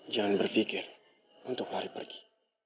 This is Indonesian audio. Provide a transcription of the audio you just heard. jangan berpikir untuk lari pergi